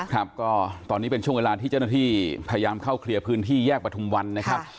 ครับก็ตอนนี้เป็นช่วงเวลาที่เจ้าหน้าที่พยายามเข้าเคลียร์พื้นที่แยกประทุมวันนะครับ